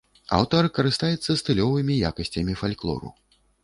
Аўтар карыстаецца стылёвымі якасцямі фальклору.